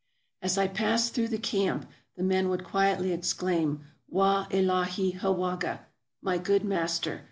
As I passed through the camp, the men would quietly exclaim, " Wah Illahi Hawaga! " (My Good Master.)